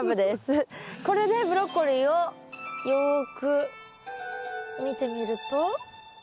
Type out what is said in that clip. これでブロッコリーをよく見てみると？